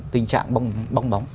tình trạng bong bóng